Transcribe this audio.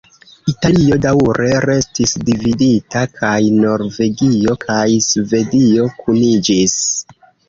Italio daŭre restis dividita kaj Norvegio kaj Svedio kuniĝis.